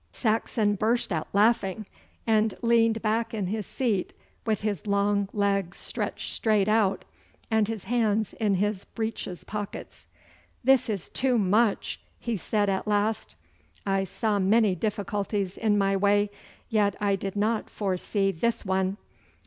Saxon burst out laughing, and leaned back in his seat with his long legs stretched straight out and his hands in his breeches pockets. 'This is too much!' he said at last. 'I saw many difficulties in my way, yet I did not foresee this one.